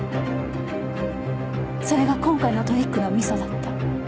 それが今回のトリックのミソだった。